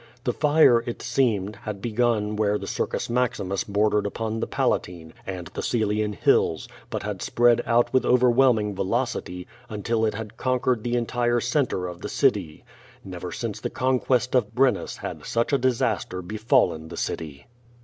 The fire, it seemed, had begun where the Circus Maximus bordered upon the Palatine, ajid the Coelian Hills, but had spread out with overwhelming velocity, until it had conquered the entire centre of the city. Never since the conquest of Brennus had such a disaster be fallen the city.